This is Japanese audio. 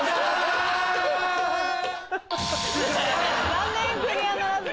残念クリアならずです。